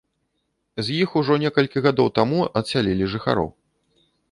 З іх ужо некалькі гадоў таму адсялілі жыхароў.